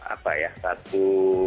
apa ya satu